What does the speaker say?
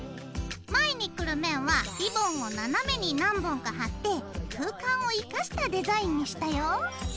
前にくる面はリボンを斜めに何本か貼って空間を生かしたデザインにしたよ。